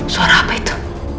suara apa itu